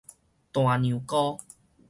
大娘姑